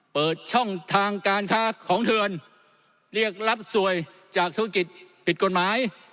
เปิดช่องทางการค้าของเถื่อนเรียกรับสวยจากธุรกิจผิดกฎหมาย